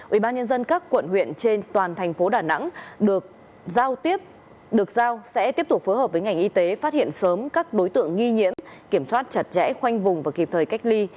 ubnd các quận huyện trên toàn thành phố đà nẵng được giao tiếp được giao sẽ tiếp tục phối hợp với ngành y tế phát hiện sớm các đối tượng nghi nhiễm kiểm soát chặt chẽ khoanh vùng và kịp thời cách ly